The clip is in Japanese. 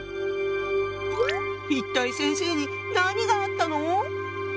一体先生に何があったの？